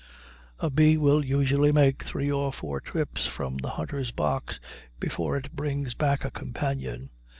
A bee will usually make three or four trips from the hunter's box before it brings back a companion.